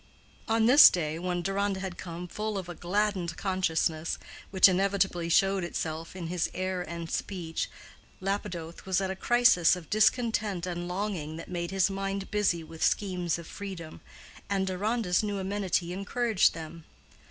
On this day, when Deronda had come full of a gladdened consciousness, which inevitably showed itself in his air and speech, Lapidoth was at a crisis of discontent and longing that made his mind busy with schemes of freedom, and Deronda's new amenity encouraged them.